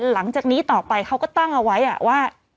หลังจากนี้ต่อไปเขาก็ตั้งเอาไว้ว่า